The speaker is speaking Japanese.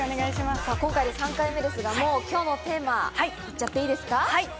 今回で３回目ですが今日のテーマ、言っちゃっていいですか？